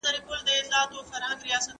نفرتيتي د رانجو يوه بېلګه ده.